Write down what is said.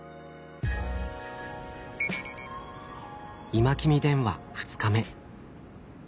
「今君電話」２日目。